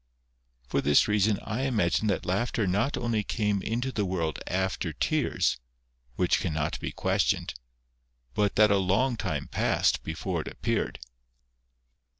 For this reason I imagine that laughter not only came into the world after tears,' which cannot be questioned, but that a long time passed before it appeared.